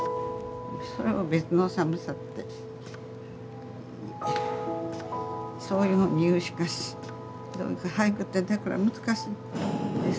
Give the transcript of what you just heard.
それは別の寒さってそういうふうに言うしか俳句ってだから難しいんです。